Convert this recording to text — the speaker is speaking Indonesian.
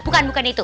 bukan bukan itu